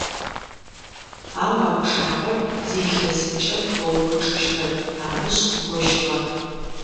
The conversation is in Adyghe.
Ау а пчъагъэр зы илъэсымкӏэ пфэукӏочӏыщтэп, арышъ, дгощыгъэ.